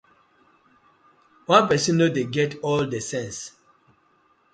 One pesin no dey get all the sence.